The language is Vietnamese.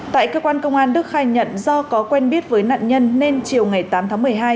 tại cơ quan công an đức khai nhận do có quen biết với nạn nhân nên chiều ngày tám tháng một mươi hai